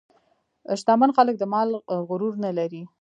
شتمن خلک د مال غرور نه لري.